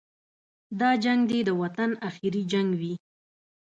دا جنګ دې د وطن اخري جنګ وي.